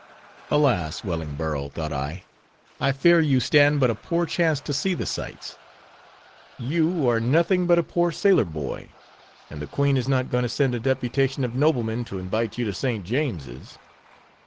Alas! Wellingborough, thought I, I fear you stand but a poor chance to see the sights. You are nothing but a poor sailor boy; and the Queen is not going to send a deputation of noblemen to invite you to St. James's.